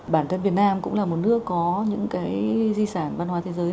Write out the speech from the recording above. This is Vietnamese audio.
bản thân việt nam cũng là một nước có những cái di sản văn hóa thế giới